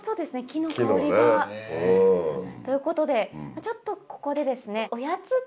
木の香りが。ということでちょっとここでですね。